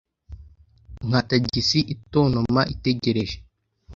Nka tagisi itontoma itegereje